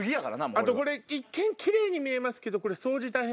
あとこれ一見キレイに見えますけど。